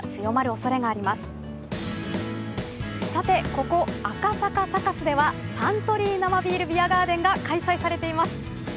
ここ赤坂サカスではサントリー生ビールビアガーデンが開催されています！